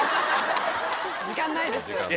時間ないですよ。